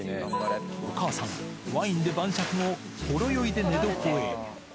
お母さん、ワインで晩酌後、ほろ酔いで寝床へ。